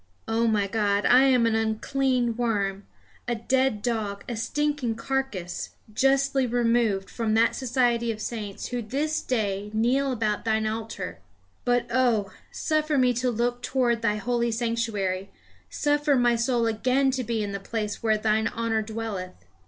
O my God, I am an unclean worm, a dead dog, a stinking carcass, justly removed from that society of saints who this day kneel about Thine altar. But, oh! suffer me to look toward Thy holy Sanctuary; suffer my soul again to be in the place where Thine honour dwelleth.